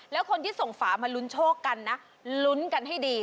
แล้วคนที่ส่งฝามาลุ้นโชคกันนะลุ้นกันให้ดี